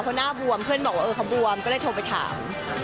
ค่ะหน้าบวมเพื่อนบอกว่าเค้าบวมก็ได้โทรไปถาม